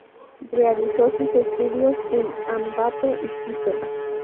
Realizó sus estudios en Ambato y Quito.